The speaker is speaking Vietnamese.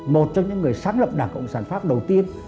một trong những người sáng lập đảng cộng sản pháp đầu tiên